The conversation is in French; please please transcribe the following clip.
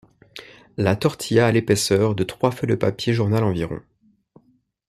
La tortilla a l'épaisseur de trois feuilles de papier journal environ.